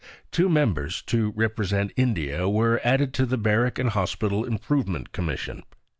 Two members, to represent India, were added to the Barrack and Hospital Improvement Commission.